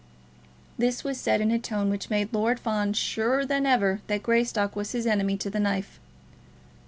This was said in a tone which made Lord Fawn surer than ever that Greystock was his enemy to the knife.